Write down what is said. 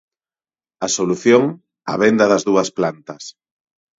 A solución, a venda das dúas plantas.